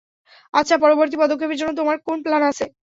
আচ্ছা, পরবর্তী পদক্ষেপের জন্য তোমার কোন প্ল্যান আছে?